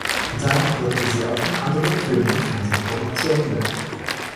Danach wirkte sie auch in anderen Film- und Fernsehproduktionen mit.